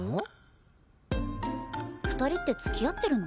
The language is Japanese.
２人って付き合ってるの？